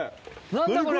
何だこれ！